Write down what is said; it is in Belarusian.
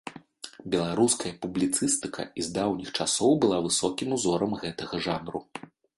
Беларуская публіцыстыка і з даўніх часоў была высокім узорам гэтага жанру.